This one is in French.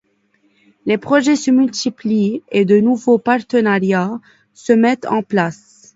Les projets se multiplient et de nouveaux partenariats se mettent en place.